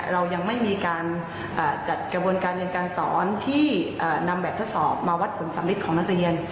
เรายังไม่มีการจัดกระบวนการเรียนการสอนที่นำแบบทดสอบมาวัดผลสำลิดของนักเรียน